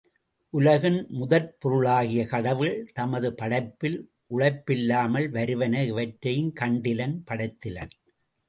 உலகின் முதற்பொருளாகிய கடவுள் தமது படைப்பில் உழைப்பில்லாமல் வருவன எவற்றையும் கண்டிலன் படைத்திலன்.